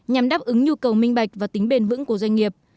nhằm đáp ứng nhu cầu minh bạch và tính bền vững của doanh nghiệp